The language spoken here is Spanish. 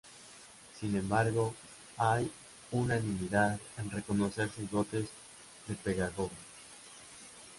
Sin embargo, hay unanimidad en reconocer sus dotes de pedagogo.